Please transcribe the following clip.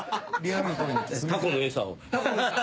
タコの餌！